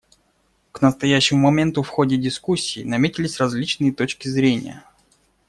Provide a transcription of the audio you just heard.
К настоящему моменту в ходе дискуссий наметились различные точки зрения.